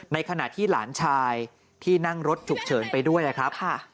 ในขณะที่หลานชายที่นั่งรถฉุกเฉินไปด้วยครับ